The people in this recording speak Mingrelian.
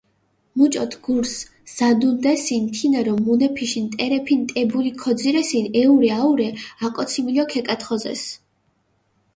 მუჭოთ გურს ზადუნდესინ თინერო მუნეფიშ ნტერეფი ნტებული ქოძირესინ, ეჸურე-აჸურეშე, აკოციმილო ქეკათხოზეს.